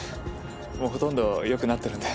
もうほとんど良くなってるんで。